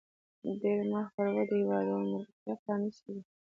ډېری مخ پر ودې هیوادونو دروازې پرانیستې دي.